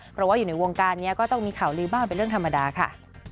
เพราะว่าอยู่ในวงการนี้ก็ต้องมีข่าวลือบ้างเป็นเรื่องธรรมดาค่ะ